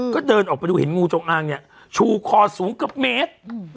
ก็เดินออกไปดูเห็นงูจงงางเนี่ยฉู่คอสูงกับเมศเอ่อ